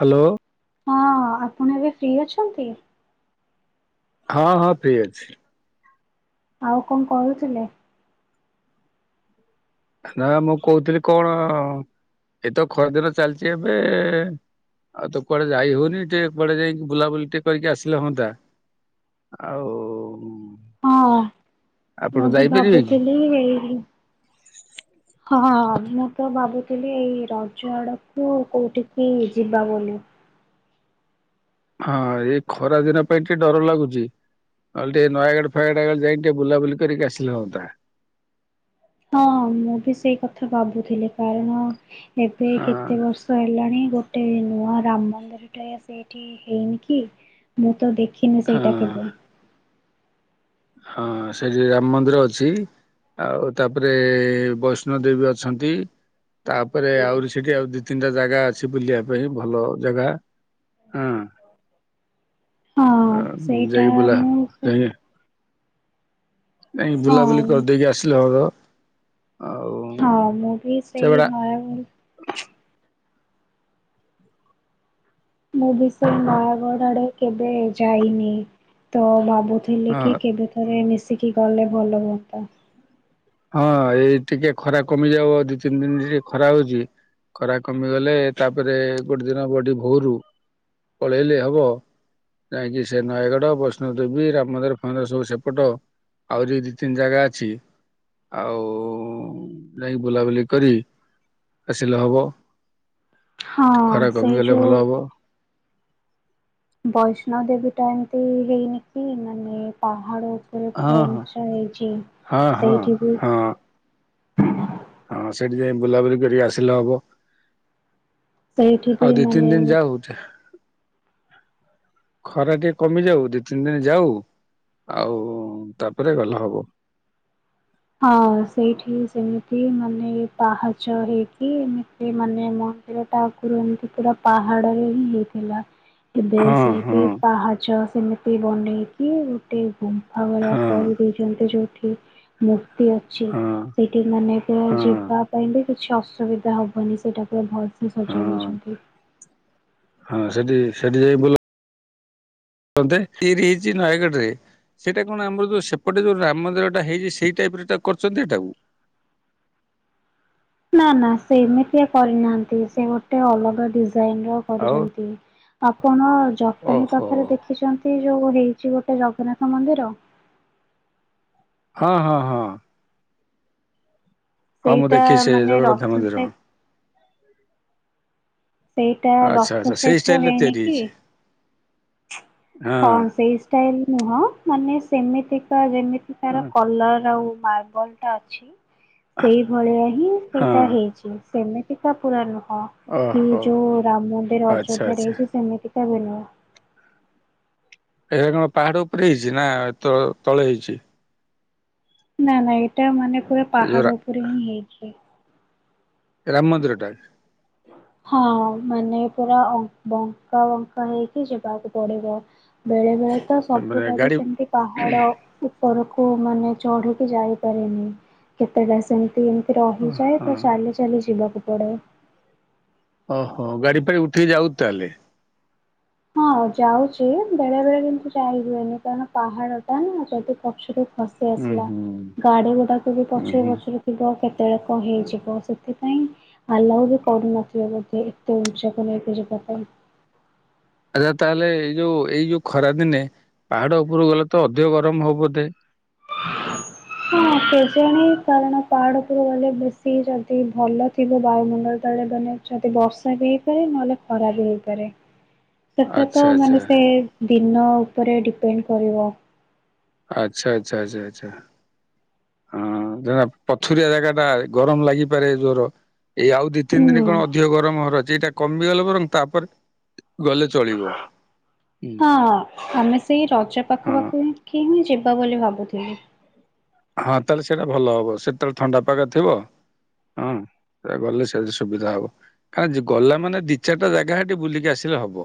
Hello ହଁ ଆପଣ ଏବେ ଫ୍ରି ଅଛନ୍ତି ହଁ ହଁ ଫ୍ରୀ ଅଛି ଆଉ କଣ କରୁଥିଲେ ନା ମୁଁ କହୁଥିଲି କଣ ଏତ ଖରାଦିନ ଚାଲିଛି ଏବେ ଆଉ ତ କୁଆଡେ ଯାଇ ହଉନି ଟିକେ କୁଆଡେ ଯାଇକି ବୁଲାବୁଲି ଟିକେ କରିକି ଆସିଲେ ହୁଅନ୍ତା ଆଉ ହଁ ଆପଣ ମୁଁ ବି ଯାଇପାରିବେ କି ଭାବୁଥିଲି ଏଇ ହଁ ଅଭିନ ତ ଭାବୁଥିଲି ଏଇ ରଜ ଆଡକୁ କୋଉଠିକି ଯିବା ବୋଲି ହଁ ଏଇ ଖରା ଦିନ ପାଇଁ ଟିକେ ଡର ଲାଗୁଛିହେଲେ ଟିକେ ନୟାଗଡ ଫୟାଗଡ଼ ଆଡେ ଯାଇକି ଟିକେ ବୁଲାବୁଲି କରିକି ଆସିଲେ ହୁଅନ୍ତା ହଁ ମୁଁ ବି ସେଇ କଥା ଭାବୁଥିଲି କାରଣ ଏବେ ହଁ କେତେ ବର୍ଷ ହେଲାଣି ଗୋଟେ ଗୋଟେ ନୂଆ ରାମ ମନ୍ଦିର ଟେ ସେଇଠି ହେଇନି କି ମୁଁ ତ ଦେଖ ଖିନି ହଁ ସେଇଟା କେଵେ ହଁ ସେଠି ରାମ ମନ୍ଦିର ଅଛି ଆଉ ତାପରେ ବୈଷ୍ଣୋ ଦେବୀ ଅଛନ୍ତି ତାପରେ ଆହୁରି ସେଠି ଆଉ ଦି ତିନିଟା ଜାଗା ଅଛି ବୁଲିବା ପାଇଁ ଭଲ ଜାଗା ହଁ ହଁ ସେଇଟା ଯାଇକି ବୁଲା ମୁଁ ସେ ନାଇଁ ହଁ ବୁଲାବୁଲି କରିଦେଇକି ଆସିଲେ ହର ହଁ ମୁଁ ବି ସେଇ ସେଗୁଡା ନୟାଗ ମୁବି ସେୟା ନୟାଗଡ଼ କୁଆଡ଼େ କେବେ ଯାଇନି ତ ଭାବୁ ଭାବୁଥିଲି କି ହଁ କେବେ ଥରେ ମିଶିକି ଗଲେ ଭଲ ହୁଅନ୍ତା। ହଁ ଏଇ ଟିକେ ଖରା କମିଯାଉ ଦି ତିନି ଦିନ ଟିକେ ଖରା ହଉଛି ଖରା କମିଗଲେ ତାପରେ ଗୋଟେ ଦିନ ବଢି ଭୋରୁ ପଳେଇଲେ ହବ ଯାଇକି ସେ ନୟାଗଡ ବୈଷ୍ଣୋବ ଦେବୀ ରାମ ମନ୍ଦିର ଫନ୍ଦିର ସବୁ ସେପଟ ଆହୁରି ଦି ତିନି ଜାଗା ଅଛି ଆଉ ଯାଇ ବୁଲାବୁଲି କରି ଆସିଲେ ହବ। ହଁ ଖରା ସେଇ କମିଗଲେ ଯୁ ଭଲ ହବ। ବୈଷ୍ଣବ ଦେବୀ ଟା ଏମିତି ହେଇନି କି ମାନେ ପାହାଡ ଉପ ଉପରେ ପୁରା ହଁ ହଁ ଉଞ୍ଚ ହେଇଛି ହଁ ହଁ ସେଇଠି ବି ହଁ ହଁ ସେଠି ଯାଇ ବୁଲାବୁଲି କରିକି ଆସିଲେ ହବ। ସେଇଠି କି ଆଉ ଦି ତିନି ମାନେ ଦିନ ଯାଉ ଖରା ଟିକେ କମି ଯାଉ ଦି ତିନି ଦିନ ଯାଉ ଆଉ ତାପରେ ଗଲେ ହବ। ହଁ ସେଇଠି ସେମିତି ମାନେ ପାହାଚ ହେଇକି ଏମିତି ମାନେ ମନ୍ଦିର ଟାଗରୁ ଏମିତି ପୁରା ପାହାଡରେ ହିଁ ହେଇଥିଲା। ଏଵେ ହଁ ହଁ ସେଇଠି ପାହାଚ ସେମ ବି ବନେଇକି ଗୋଟେ ଗୁ ଭ ଭଳିଆ ହଁ କରି ଦେଇଛନ୍ତି ଯୋଉଠି। ମୂର୍ତ୍ତି ଅଛି ହଁ ସେଇଠି ମାନେତ ହଁ ଯିବା ପାଇଁ ବି କିଛି ଅସୁ ଅସୁବିଧା ହବନି। ସେଟାକୁ ଭଲସେ ସଜାଇ ହଁ ଦେଇଛନ୍ତି। ହଁ ସେଠି ସେଠି ଯାଇ ବୁଲ କଣଟେ ତିରି ହେଇଛି ନୟାଗଡ଼ରେ ସେଇଟା କଣ ଆମର ଯୋଉ ସେପଟେ ଯୋଉ ରାମ ମନ୍ଦିରଟା ହେଇଛି ସେଇ ଟାଇପର ତାକୁ କରଛନ୍ତି ହେଟାକୁ? ନା ନା ସେମିତିଆ କରିନାହା। ତି ସେ ଗୋଟେ ଅଲଗା ଡିଜାଇନ ର ଆଉ କରିଛନ୍ତି। ଆପଣ ଜଟଣୀ ଓହୋ ପାଖରେ ଦେଖିଛନ୍ତି ଯୋଉ କୋଉଠି ହେଇଛି ଗୋଟେ ଜଗନ୍ନାଥ ମନ୍ଦିର ହଁ ହଁ ହଁ। ହଁ ମୁଁ ସେଇଟା ଦେଖିଛି ସେ ମାନେ ଜଗନ୍ନାଥ ରଥନ ମନ୍ଦିର ସେ ସେଇଟା ଆଚ୍ଛା ରଥ ଆଚ୍ଛା ସେଇ ସେପର ଷ୍ଟାଇଲ ରେ ହେଇନି ତିଆରି କି? ହେଇଛି ହଁ ସେଇ ଷ୍ଟାଇଲ ନୁହଁ ମାନେ ସେମିତିକା ଯେମିତି ତାର ହଁ କଲର ଆଉ ମାର୍ବଲ ଟା ଅଛି ସେଇଭଳିଆ ହିଁ ସେଇଟା ହେଇଛି ସେମିତି ସେଇଟା ପୂରା ନୁ ହଁ କି ଓହୋ ଯୋଉ ରାମ ମନ୍ଦିର ଆଚ୍ଛା ଅଯୋଧ୍ୟା ରେ ଆଚ୍ଛା ହେଇଛି ସେମିତି ତା ଭି ନୁହ ଏ କଣ ପାହାଡ ଉପରେ ହେଇଛି ନା ତ ତଳେ ହେଇଛି? ନା ନା ଏ ଏଟା ମାନେ ପୁରା ଏ ଯୋଉ ରା ପାହାଡ ଉପରେ ହିଁ ହେଇଛି। ରାମ ମନ୍ଦିରଟା ହଁ ମାନେ ପୁରା ବଙ୍କା ବଙ୍କା ହେଇକି ଯିବାକୁ ପଡିବ। ବେଳେ ବେଳେ ତ ସବୁ ମାନେ ଗାଡ଼ି ଗାଡି ସେମିତି ପାହାଡ଼ ଉପରକୁ ମାନେ ଚଢ଼ିକି ଯାଇପାରେନି କେତେଟା ସେମତି ଅ ରହିଯାଏ ହଁ ତ ଚାଲି ଚାଲି ଯିବାକୁ ପଡ଼େ ଓହୋ ଗାଡି ଫାଡି ଉଠିକି ଯାଉଚି ତାହେଲେ ହଁ ଯାଉଚି ବେଳେ ବେଳେ କିନ୍ତୁ ଯାଇ ହୁଏନି କାରଣ ପାହାଡ ଟା ନା ଯଦି ପଛୁରୁ ଖସି ହୁଁ ଆସିଲା ହୁଁ ଗାଡି ଗୁଡାକୁ ବି ହୁଁ ପଛୁରୁ ହୁଁ ପଛୁରୁ ଥିବ କେତେ କେତେବେଳେ କଣ ହେଇଯିବ ସେଥିପାଇଁ ଆଲାଉ ବି କରୁନଥିବେ ବୋଧେ ଏତେ ଉଞ୍ଚାକୁ ନେଇକି ଯିବା ପାଇଁ ଆଚ୍ଛା ତାହେଲେ ଏଇ ଯୋଉ ଏଇ ଯୋଉ ଖରା ଦିନେ ପାହାଡ ଉପରୁ ଗଲେ ତ ଅଧିକ ଗରମ ହବ ବୋଧେ। ହଁ ସେ କେଜାଣି କାରଣ ପାହାଡ ଉପରକୁ ଗଲେ ବେଶୀ ଯଦି ଭଲ ଥିବ ବାୟୁମଣ୍ଡଳ ତଳେ ମାନେ ଯଦି ବର୍ଷା ବି ହେଇପାରେ ନହେଲେ ଖରା ବି ହେଇପାରେ। ସେଟା ଆଚ୍ଛା ତ ଆଚ୍ଛା ମାନେ ସେ ଆଚ୍ଛା ଦିନ ଉପରେ ଡିପେଣ୍ଡ କରିବ ଆଚ୍ଛା ଆଚ୍ଛା ଆଚ୍ଛା ଆଚ୍ଛା। ହଁ ଜାହଉ ଆପ ପଥୁରିଆ ଜାଗା ଟା ଭାରି ଗରମ ଲାଗିପାରେ ଜୋର। ଏଇ ଆଉ ଦି ତିନି ଦିନ ହୁଁ। କଣ ଅଧିକ ଗରମ ହବାର ଅଛ ସେଟା କମିଗଲେ ବରଂ ତାପରେ ଗଲେ ଚଳିବ। ହୁଁ। ହଁ ଆମେ ସେଇ ରଜ ହଁ ପାଖା ପାଖି ଦେଖି ହିଁ ଯିବ ଅଟୋ ବୋଲି ଭାବୁଥିଲି। ହଁ ତାହେଲେ ସେଇଟା ଭଲ ହବ। ସେତେବେଳେ ଥଣ୍ଡା ପାଗ ଥିବ, ହଁ। ସେୟା ଗଲେ ସାରେ ସୁବିଧା ହବ। କାଁ ଗଲା ମାନେ ଦି ଚାରିଟା ଜାଗା ସେଠି ବୁଲିକି ଆସିଲେ ହବ।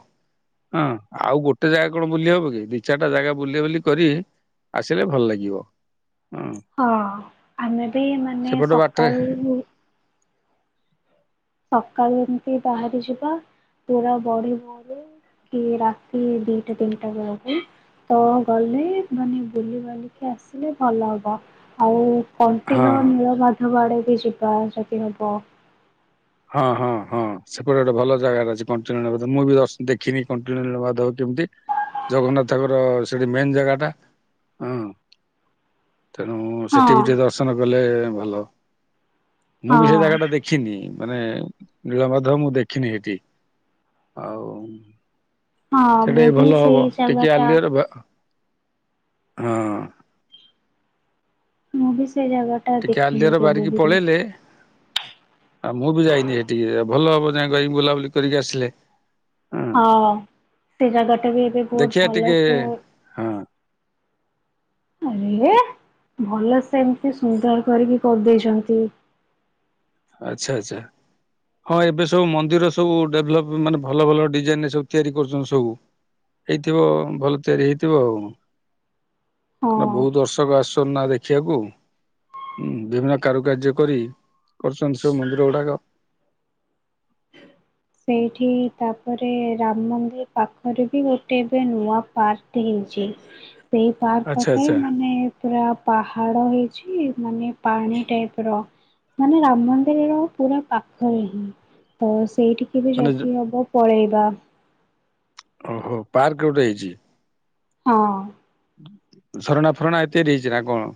ହଁ, ଆଉ ଗୋଟେ ଜାଗା କଣ ବୁଲି ହବ କି? ଦି ଚାରିଟା ଜାଗା ବୁଲାବୁଲି କରି ଆସିଲେ ଭଲ ଲାଗିବ। ହଁ ଆମେ ବି ମାନେ ସେପଟ ବାଟରେ ସକାଳୁ ସକାଳୁ ଏମିତି ବାହାରି ଯିବା ପୁରା ବଢି ଭୋରୁ କି ରାତି ଦିଟା ତିନିଟା ବେଳକୁ ତ ଗଲେ ମାନେ ବୁଲିିବାଲିକି ଆସିଲେ ଭଲ ହବ ଆଉ ହଁ କଣ୍ଟିିଲୋ ନୀଳମାଧବ ଆଡେ ଟିକେ ଯିବା ଯଦି ହବ। ହଁ-ହଁ-ହଁ। ସେପଟେ ଗୋଟେ ଭଲ ଜାଗାଟେ ଅଛି କଣ୍ଟିଲୋ ନୀଳମାଧବ। ମୁଁ ବି ଦଶ୍ ଦେଖିନି କଣ୍ଟିଲୋ ନୀଳମାଧବ କେମତି? ଜଗନ୍ନାଥଙ୍କର ସେଠି ମେନ୍ ଜାଗାଟା। ହଁ। ତେଣୁ ହଁ। ସେଠି ବି ଟିକେ ଦର୍ଶନ କଲେ ଭଲ। ମୁଁ ହଁ ବି ସେ ଜାଗାଟା ଦେଖିନି। ମାନେ ନୀଳମାଧବ ମୁଁ ଦେଖିନି ସେଠି। ଆଉ ହଁ ସେଟା ବି ମୁଁ ଭଲ ହବ। ସେଇ ଜାଗା ଟିକେ ଟା ଆର୍ଲିଅର ବା ହଁ। ମୁଁ ବି। ସେ ଜାଗା ଟା ଟିକେ ଦେଖିନି ଆଲିଆର କେବେ ବାରିକି ବି। ପଳେଇଲେ [inaudible] ଆଉ ମୁଁ ବି ଯାଇନି ସେଠିକି। ଭଲ ହବ ଯାଇ କି ବୁଲାବୁଲି କରିକି ଆସିଲେ। ହଁ ସେ ଜାଗା ଟା ବି ଏବେ ବହୁତ ଦେଖିବା ଭଲ ଟିକେ ସେ ହଁ ଆରେ ଭଲ ସେମିତି ସୁନ୍ଦର କରିକି କରିଦେଇଛନ୍ତି। ଆଚ୍ଛା ଆଚ୍ଛା ହଁ ଏବେ ସବୁ ମନ୍ଦିର ସବୁ ଡେଭ୍ଲପ୍ ମାନେ ଭଲ ଭଲ ଡିଜାଇନରେ ସବୁ ତିଆରି କରୁଛନ୍ତି ସବୁ ହେଇଥିବ ଭଲ ତିଆରି ହେଇଥିବ ଆଉ। ହଁ। କ ବହୁତ ଦର୍ଶକ ଆସୁ ନା ଦେଖିବାକୁ ହଁ ବିଭିନ୍ନ କାରୁକାର୍ଯ୍ୟ କରି କରିଛନ୍ତି ସବୁ ମନ୍ଦିର ଗୁଡ଼ାକ ସେଇଠି ତାପରେ ରାମ ମନ୍ଦିର ପାଖରେ ବି ଗୋଟେ ଏବେ ନୂଆ ପାର୍କ ହେଇଛି। ସେଇ ପାର୍କ ଆଚ୍ଛା ପାଖରେ ଆଚ୍ଛା ମାନେ ପୁରା ପା ପାଡ ହେଇଛି ମାନେ ପାଣି ଟାଇପର ମାନେ ରନ୍ଧନ୍ତିର ପୁରା ପାଖରେ ହିଁ ତ ସେଇଠି ଏବେ ମାନେ ଯଦି ହବ ପଳେଇବି। ବା ଓହୋ ପାର୍କ ଗୋଟେ ହେଇଛି? ହଁ। ଝରଣା ଫରଣା ଏତେ ଦେଇଛି ନା କଣ?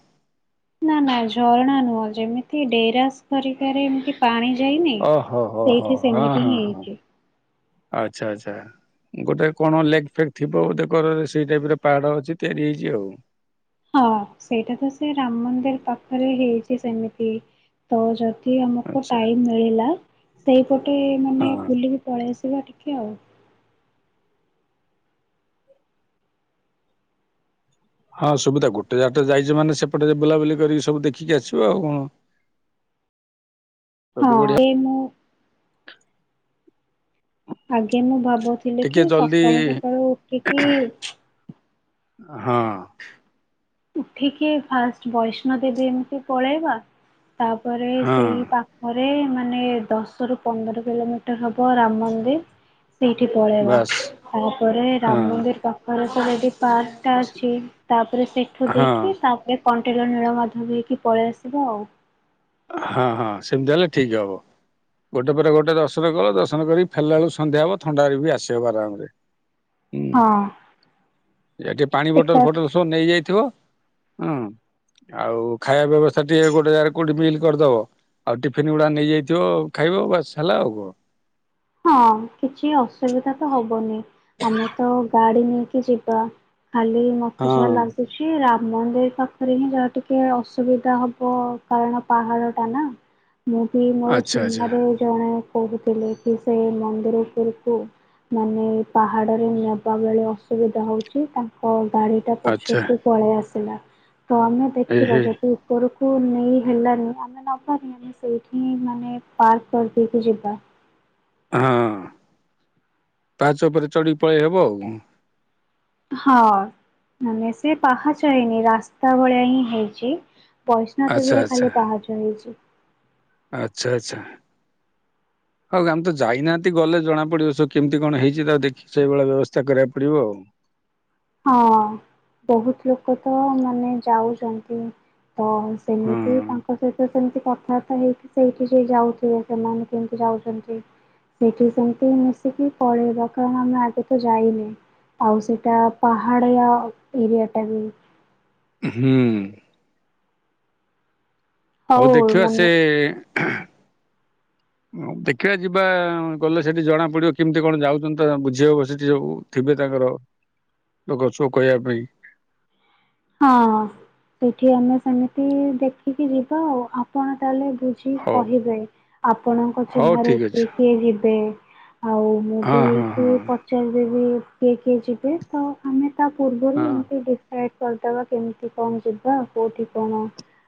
ନା ନା ଝରଣା ନୁହଁ ଯେମିତି ଡେରାସ ତରିକାରେ ଏମିତି ପାଣି ଯାଇନି ଓହୋ ହୋ ହୋ ସେଇଠି ହଁ ସେମିତି ହଁ ହିଁ ହଁ ହେଇଛି। ଆଚ୍ଛା ଆଚ୍ଛା ଗୋଟେ କଣ ଲେକ୍ ଫେକ୍ ଥିବ ବୋଧକରରେ ସେଇ ଟାଇପରେ ପାହାଡ ଅଛି ତିଆରି ହେଇଛି ଆଉ। ହଁ ସେଇଟା ତ ସେ ରାମ ମନ୍ଦିର ପାଖରେ ହେଇଛି ସେମିତି ଇ ତ ଯେମିତି ଆମକୁ ଆଚ୍ଛା ଟାଇମ ମିଳିଲା ସେଇପଟେ ମାନେ ହଁ ବୁଲି କି ପଳେଇ। ଯିବା ଟିକେ ଆଉ। ହଁ ସୁବିଧା ଗୋଟେ ଯାଗା ଯାଇଛୁ ମାନେ ସେପଟେ ବୁଲାବୁଲି କରିକି ସବୁ ଦେଖିକି ଆସିବା ଆଉ କଣ। ସବୁଠୁ ହଁ ବଢିଆ ଏ ମୁଁ ଆଗେ ମୁଁ ଭାବୁଥିଲି ଟିକେ କି ଜଲ୍ଦି ସକାଳୁ ସକାଳୁ ଉଠିକି ହଁ। ଉଠିକି ଫାଷ୍ଟ୍ ବୈଷ୍ଣୋଦେବୀ ଏମିତି ପଳେଇବା। ତାପରେ ହଁ ସେଇ ପାଖରେ। ମାନେ ଦଶ ରୁ ପନ୍ଦର କିଲୋମିଟର ହବ ରାମ୍ ମନ୍ଦିର। ସେଇଠି ପଳେଇବା ବାସ୍ ତାପରେ ହଁ ରାମ ମନ୍ଦିର୍ ପାଖରେ। ଖରାକି ପାର୍କ ଟା ଅଛି ତାପରେ ସେ ହଁ ଦେଖି ତାପରେ କଣ୍ଟିଲୋନୀଳମାଧବ ହେଇକି ପଳେଇ ଆସିବ ଆଉ। ହଁ ହଁ ସେମିତି ହେଲେ ଠିକ ହବ ଗୋଟେ ପରେ ଗୋଟେ ଦର୍ଶନ କଲ ଦର୍ଶନ କରିକି ଫେଲା ବେଳକୁ ସନ୍ଧ୍ୟା ହବ ଥଣ୍ଡାରେ ବି ଆସିହବ ଆରାମରେ। ହଁ ଏଠି ପାଣି ବୋଟଲ ପିକଅପ୍ ଫୋଟଲ ସବୁ ନେଇଯାଇଥିବ। ହୁଁ ଆଉ ଖାଇବା ବ୍ୟବସ୍ଥା ଟିକେ ଗୋଟେ ଜାଗାରେ କୋଉଠି ମିଲ୍ କରିଦବ ଆଉ ଟିଫିନ ଗୁଡା ନେଇଯାଇଥିବ ଖାଇବ ବାସ ହେଲା ଆଉ କଣ? ହଁ କିଛି ଅସୁବିଧା ତ ହବନି ଆମେ ତ ଗାଡି ନେଇକି ଯିବା। ଖାଲି ମତେ ଯାହା ହଁ। ଲାଗୁଛି ରା ମନ୍ଦିର ପାଖରେ ହିଁ ଯହା ଟିକେ ଅସୁବିଧା ହବ କାରଣ ପାହାଡ ଟା ନା ମୁଁ ବି ମୋର ଆଚ୍ଛା ଆଚ୍ଛା ଚିହ୍ନାରେ ଜଣେ କହୁଥିଲେ। କି ସେ ମନ୍ଦିରଉପୁରକୁ ମାନେ ପାହାଡ଼ରେ ନେବାବେେଳେ ଅସୁବିଧା ହେଉଛି ତାଙ୍କ ଗାଡ଼ିଟା ଆଚ୍ଛା ପଛକୁ ପଳେଇ ଆସେ। ହେଲା ତ ଆମେ ଏ ଦେଖିବା ହେ ଯଦି ଉପରକୁ ନେଇ ହେଲାନି ଆମେ ନବାନି ଆମେ ସେଇଠି ମାନେ ପାର୍କ କରିଦେଇକି ଯିବା। ହଁ ପାଚ ଉପରେ ଚଢି ପଳେଇ ହବ ଆଉ ହଁ ମାନେ ସେ ପାହାଚ ହେନି ରାସ୍ତା ଭଳିଆ ହିଁ ହେଇଛି। ବୈଷ୍ଣ ଆଚ୍ଛା ଦେବୀରେ ଆଚ୍ଛା ଖାଲି ପାହାଚ ହେଇଛି। ଆଚ୍ଛା ଆଚ୍ଛା ହଉ ଆମେ ତ ଯାଇନାହାନ୍ତି ଗଲେ ଜଣା ପଡିବ ସବୁ କେମିତି କଣ ହେଇଛି ତାକୁ ଦେଖିକି ସେଇଭଳିଆ ବ୍ୟବସ୍ଥା କରିବାକୁ ପଡିବ ଆଉ। ହଁ ବହୁତ ଲୋକ ତ ମାନେ ଯାଉଛନ୍ତି। ତ ହଁ ସେମିତି ତାଙ୍କ ସହିତ ସେମିତି। କଥାବାର୍ତ୍ତା ହେଇକି ସେଇଠି ଯ ଯାଉଥିବେ ସେମାନେ କେମିତି ଯାଉଛନ୍ତି ସେଇଠି ସେମିତି ମିଶିକି ପଳେଇବା କାରଣ ଆମେ ଆଗେ ତ ଯାଇନି ଆଉ ସେଇଟା। ପହାଡ଼ଆ ଏରିଆାଟା ବି ହୁଁ ହଉ ଦେଖିବା ସେ ଦେଖିବା ଯିବା ଗଲେ ସେଠି ଜଣା ପଡିବ କେମିତି କଣ ଯାଉଛନ୍ତି ତ ବୁଝି ହବ ସେଠି ସବୁ ଥିବେ ତାଙ୍କର ଲୋକ ସୋ କହିବା ପାଇଁ ହଁ ସେଇଠି ଆମେ ସେମିତି ଦେଖିକି ଯିବା ଆଉ ଆପଣ ତାହେଲେ ବୁଝିକି ହଉ କହିବେ ଆପଣଙ୍କ ହଉ ଚିହ୍ନାରେ ଠିକ୍ ଅଛି କିଏ କିଏ ଯିବେ? ଆଉ ମୁଁ ବି ହଁ ହଁ ଏଇଠି ହଁ ପଚାରିଦେବି କିଏ କିଏ ଯିବେ ତ ଆମେ ତା ପୂର୍ବରୁ ହଁ ଏମିତି ଡିସାଇଡ କରିଦେବା କେମିତି କଣ ଯିବାଉ କଉଠି କଣ?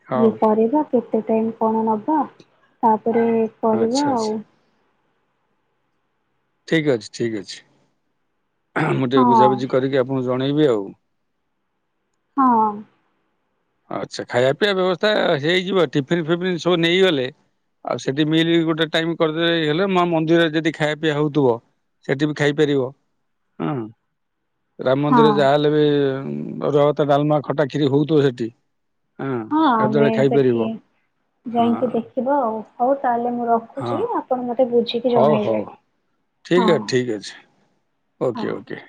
ହଉ କରିବା। କେତେ ଟାଇମ୍ କଣ ନବ ତା ପରେ, ଆଚ୍ଛା କହିବା ଆଚ୍ଛା ଆଉ। ଠିକ ଅଛି, ଠିକ ଅଛି। ଆହା, ମୁଁ ଟିକେ ହଁ ବୁଝାବୁଝି କରିକି ଆପଣଙ୍କୁ ଜଣେଇବି ଆଉ। ହଁ। ଆଚ୍ଛା। ଖାଇବା ପିଇବା ବ୍ୟବସ୍ଥା ହେଇଯିବ। ଟିଫିନ୍ ଫିଫିନ୍ ସବୁ ନେଇଗଲେ, ଆଉ ସେଠି ମିଲ୍ ବି ଗୋଟେ ଟାଇମ୍ କରିଦେ ହେଇଗଲେ ମା ମନ୍ଦିରରେ ଯଦି ଖାଇବା ପିଇବା ହଉଥିବ, ସେଠି ବି ଖାଇପାରିବ। ହଁ। ରାମ ହଁ ମନ୍ଦିରରେ ଯାହାହେଲେ ବି ଉଁ ରଭାତ, ଡାଲମା, ଖଟା, ଖିରି ହୋଉଥିବ ସେଠି। ହଁ ଆମେ ଗାଧୁଆବେଳେ ଖାଇପାରିବ ସେଠି ହଁ ଯାଇକି ଦେଖିବା ଆଉ। ହୋଉ ତାହେଲେ ମୁଁ ହଁ ରଖୁଚି ଆପଣ ମତେ ବୁଝିକି ହଉ ହଉ ଜଣେଇବେ ଠିକ୍ ହଁ। ଅଛି ଠିକ୍ ଅଛି ଓକେ ହଁ। ଓକେ।